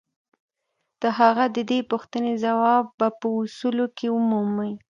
د هغه د دې پوښتنې ځواب به په اصولو کې ومومئ.